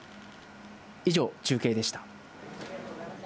以上、中継でした。